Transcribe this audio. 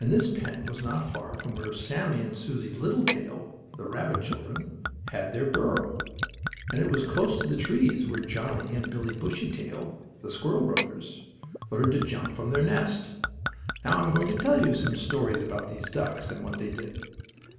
And this pen was not far from where Sammie and Susie Littletail, the rabbit children, had their burrow, and it was close to the trees where Johnnie and Billie Bushytail, the squirrel brothers, learned to jump from their nest. Now I am going to tell you some stories about these ducks, and what they did.